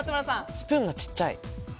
スプーンがちっちゃい。